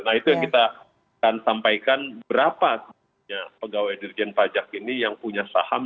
nah itu yang kita akan sampaikan berapa pegawai dirjen pajak ini yang punya saham